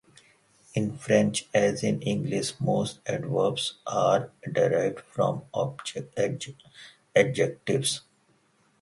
In French, as in English, most adverbs are derived from adjectives.